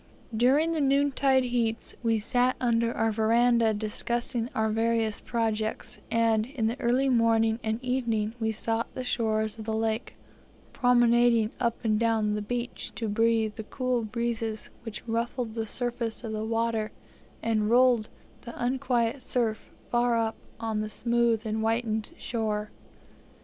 During the noontide heats we sat under our veranda discussing our various projects, and in the early morning and evening we sought the shores of the lake promenading up and down the beach to breathe the cool breezes which ruffled the surface of the water, and rolled the unquiet surf far up on the smooth and whitened shore.